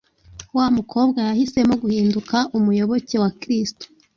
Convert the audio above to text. wa mukobwa yahisemo guhinduka umuyoboke wa Kristo.